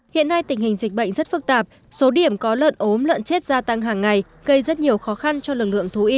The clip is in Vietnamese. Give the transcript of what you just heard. hiện nay tình hình dịch bệnh rất phức tạp số điểm có lợn ốm lợn chết gia tăng hàng ngày gây rất nhiều khó khăn cho lực lượng thú y